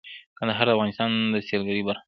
کندهار د افغانستان د سیلګرۍ برخه ده.